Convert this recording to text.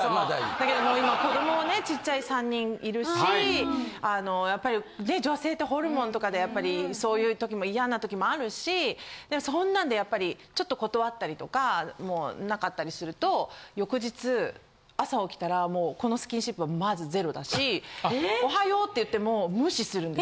だけど今子どももねちっちゃい３人いるしやっぱりね女性ってホルモンとかでやっぱりそういう時もイヤな時もあるしそんなんでやっぱりちょっと断ったりとかなかったりすると翌日朝起きたらこのスキンシップはまずゼロだし。・エーッ！